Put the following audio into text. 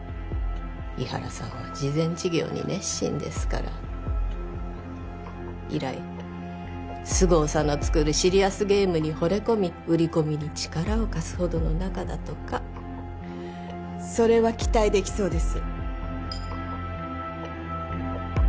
伊原さんは慈善事業に熱心ですから以来菅生さんの作るシリアスゲームにほれ込み売り込みに力を貸すほどの仲だとかそれは期待できそうです